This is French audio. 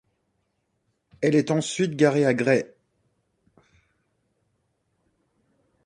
Elle est ensuite garée à Gray.